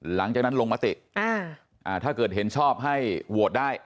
หลังจากนั้นลงมติถ้าเกิดเห็นชอบให้โหวตได้